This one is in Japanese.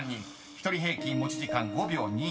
１人平均持ち時間５秒２９です］